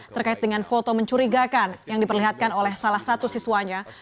terkait dengan foto mencurigakan yang diperlihatkan oleh salah satu siswanya